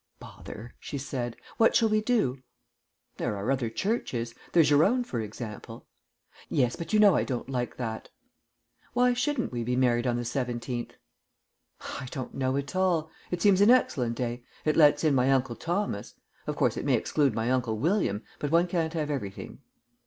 "Bother," she said. "What shall we do?" "There are other churches. There's your own, for example." "Yes, but you know I don't like that. Why shouldn't we be married on the seventeenth?" "I don't know at all. It seems an excellent day; it lets in my Uncle Thomas. Of course, it may exclude my Uncle William, but one can't have everything."